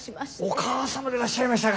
お母様でいらっしゃいましたか。